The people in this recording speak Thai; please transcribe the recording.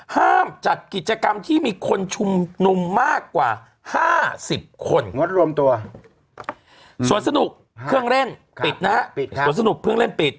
ห้ามจัดกิจกรรมที่มีคนชุมนุมมากกว่า๕๐คนงดรวมตัวส่วนสนุกเครื่องเล่นปิดนะฮะปิดสวนสนุกเครื่องเล่นปิด